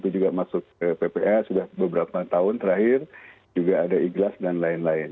juga masuk ke ppa sudah beberapa tahun terakhir juga ada ikhlas dan lain lain